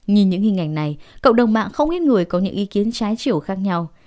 nhìn những hình ảnh này cộng đồng mạng không ít người có những ý kiến trái chiều khác nhau